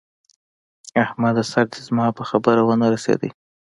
احمده! سر دې زما په خبره و نه رسېدی!